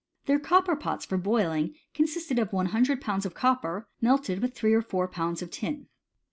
Their copper pots for boiling consisted of lOOlbs. of copper, melted with three or four pounds of tin.